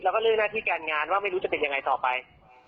แล้วก็เรื่องหน้าที่การงานว่าไม่รู้จะเป็นยังไงต่อไป